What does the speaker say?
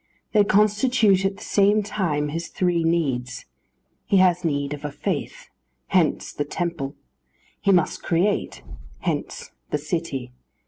They constitute at the same time his three needs. He has need of a faith; hence the temple. He must create; hence the city.